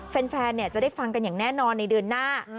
แฟนจะได้ฟังกันอย่างแน่นอนในเดือนหน้า